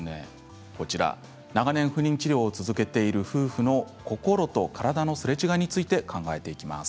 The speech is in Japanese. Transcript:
長年、不妊治療を続けている夫婦の心と体のすれ違いについて考えていきます。